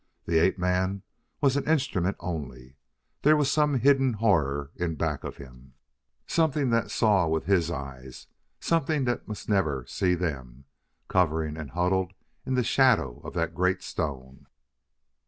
The ape man was an instrument only; there was some hidden horror in back of him, something that saw with his eyes, something that must never see them, cowering and huddled in the shadow of that great stone.